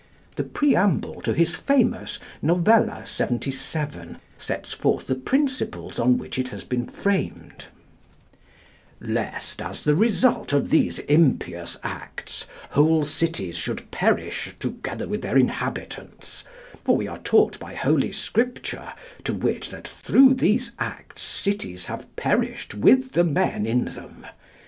The preamble to his famous Novella 77 sets forth the principles on which it has been framed: "Lest as the result of these impious acts whole cities should perish together with their inhabitants; for we are taught by Holy Scripture, to wit that through these acts cities have perished with the men in them....